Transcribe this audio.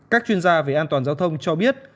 các chuyên gia về an toàn giao thông cho biết